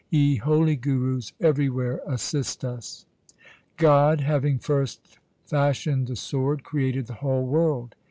Ye holy Gurus, everywhere assist us ! God having first fashioned the Sword created the whole world.